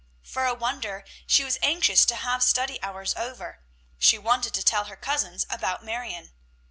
For a wonder she was anxious to have study hours over; she wanted to tell her cousins about Marion.